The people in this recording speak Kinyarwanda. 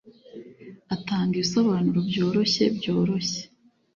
Atanga ibisobanuro byoroshye byoroshye